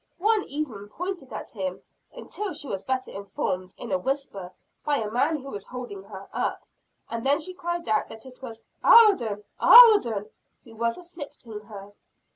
One even pointed at him, until she was better informed in a whisper by a man who was holding her up. And then she cried out that it was "Alden! Alden!" who was afflicting her.